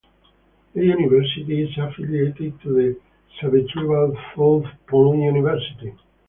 The university is affiliated to the Savitribai Phule Pune University.